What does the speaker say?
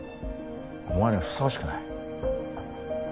お前にふさわしくない。